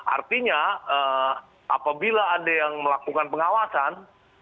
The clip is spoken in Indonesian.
artinya apabila ada yang melakukan pengawasan